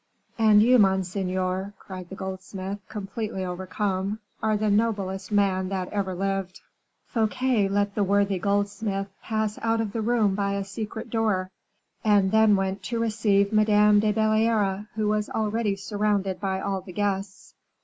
"And you, monseigneur," cried the goldsmith, completely overcome, "are the noblest man that ever lived." Fouquet let the worthy goldsmith pass out of the room by a secret door, and then went to receive Madame de Belliere, who was already surrounded by all the guests.